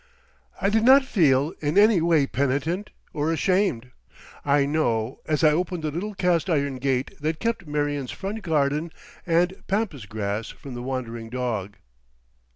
I did not feel in any way penitent or ashamed, I know, as I opened the little cast iron gate that kept Marion's front grader and Pampas Grass from the wandering dog.